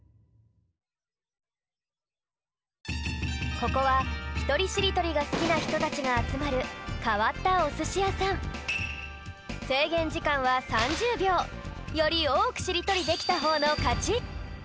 ここはひとりしりとりがすきなひとたちがあつまるかわったおすしやさんよりおおくしりとりできたほうのかち！